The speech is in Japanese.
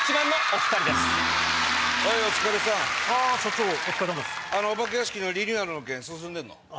お化け屋敷のリニューアルの件進んでるの？